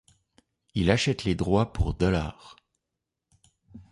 Il achète les droits pour dollars.